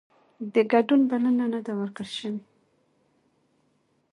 د ګډون بلنه نه ده ورکړل شوې